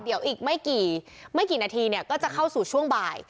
เดี๋ยวอีกไม่กี่นาทีเนี่ยก็จะเข้าสู่ช่วงบ่าย